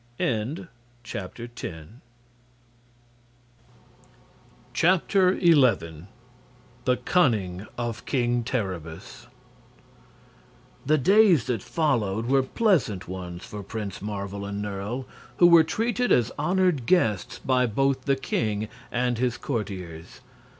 11. The Cunning of King Terribus The days that followed were pleasant ones for Prince Marvel and Nerle, who were treated as honored guests by both the king and his courtiers.